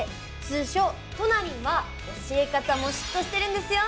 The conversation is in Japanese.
通称トナりんは教え方もシュッとしてるんですよ！